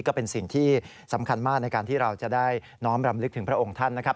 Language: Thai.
ก็เป็นสิ่งที่สำคัญมากในการที่เราจะได้น้อมรำลึกถึงพระองค์ท่านนะครับ